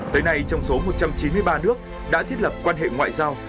tới nay trong số một trăm chín mươi ba nước đã thiết lập quan hệ ngoại giao